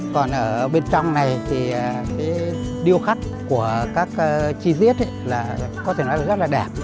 còn ở bên trong này thì cái điêu khắc của các chi diết là có thể nói là rất là đẹp